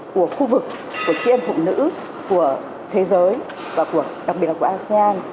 của khu vực của triên phụ nữ của thế giới và đặc biệt là của asean